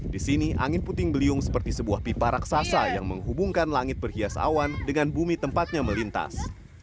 di sini angin puting beliung seperti sebuah pipa raksasa yang menghubungkan langit berhias awan dengan bumi tempatnya melintas